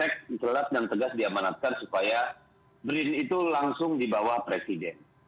itu adalah yang tegas diamanatkan supaya brin itu langsung dibawa presiden